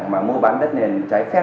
mà mua bán đất nền trái phép